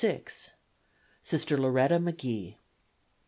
Sister Loretta McGee.